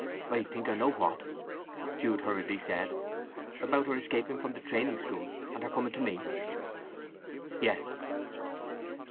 "I think I know what!" Jude hurriedly said. "About her escaping from the training school, and her coming to me?" "Yes."